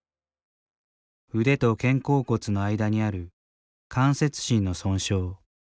腕と肩甲骨の間にある関節唇の損傷。